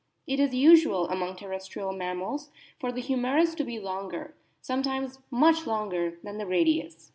It is usual among terrestrial mammals for the humerus to be longer, sometimes much longer, than the radius.